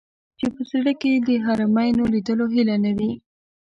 چې په زړه کې یې د حرمینو لیدلو هیله نه وي.